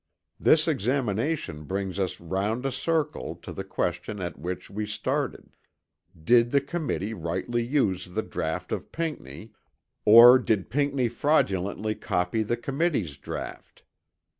This examination brings us round a circle to the question at which we started, Did the Committee rightly use the draught of Pinckney, or did Pinckney fraudulently copy the Committee's draught?